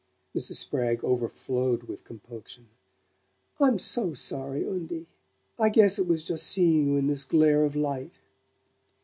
Mrs. Spragg overflowed with compunction. "I'm so sorry, Undie. I guess it was just seeing you in this glare of light."